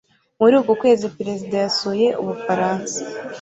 Muri uku kwezi Perezida yasuye Ubufaransa